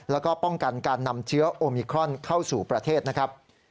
แล้วก็ป้องกันการนำเชื้อโอมิครอนเข้าสู่ประเทศนะครับ